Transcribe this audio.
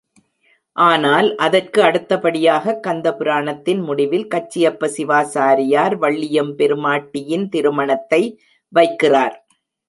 ஆனால் அதற்கு அடுத்தபடியாகக் கந்த புராணத்தின் முடிவில் கச்சியப்ப சிவாசாரியார் வள்ளியெம்பெருமாட்டியின் திருமணத்தை வைக்கிறார்.